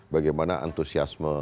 bagaimana antusiasme masyarakat